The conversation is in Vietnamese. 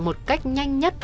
một cách nhanh nhất